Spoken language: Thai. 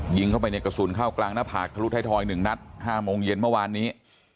ยิงเข้าไปในกระสุนเข้ากลางหน้าผากทะลุท้ายทอย๑นัด๕โมงเย็นเมื่อวานนี้